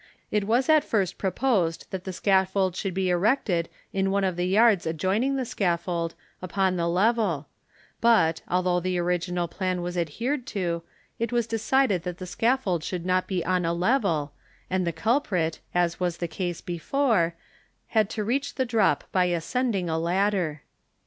It was at first proposed that the scaffold should be erected in one of the yards adjoining the scaffold, upon the level; but, although the original plan was adhered to, it was decided that the scaffold should not be on a level, and the culprit, as was the case before, had to reach the drop by ascending a ladder.